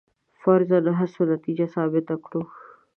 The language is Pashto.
فرضاً هڅو نتیجه ثابته کړو.